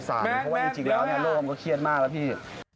เพราะว่าจริงแล้วโลกมันก็เครียดมากแล้วพี่